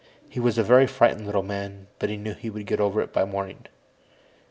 He was a very frightened little man, but he knew he'd get over it by morning.